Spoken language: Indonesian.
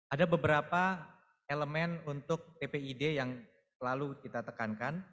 ada beberapa elemen untuk tpid yang selalu kita tekankan